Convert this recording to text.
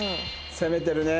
攻めてるね。